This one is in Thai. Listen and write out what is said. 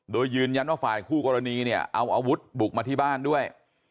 โดยยืนยันว่าฝ่ายคู่กรณีเนี่ยเอาอาวุธบุกมาที่บ้านด้วย